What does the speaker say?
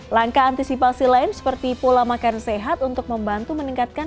langkah antisipasi lain seperti pola makan sehat untuk membantu meningkatkan